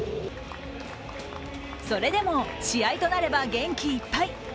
それでも試合となれば元気いっぱい。